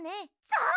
そう！